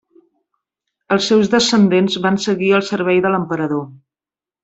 Els seus descendents van seguir al servei de l'emperador.